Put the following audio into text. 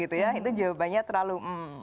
itu jawabannya terlalu